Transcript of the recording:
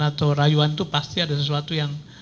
atau rayuan itu pasti ada sesuatu yang